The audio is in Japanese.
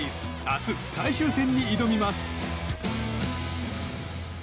明日、最終戦に挑みます。